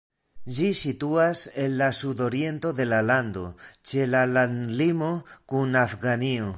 Ĝi situas en la sudoriento de la lando, ĉe la landlimo kun Afganio.